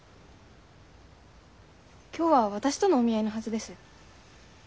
今日は私とのお見合いのはずです。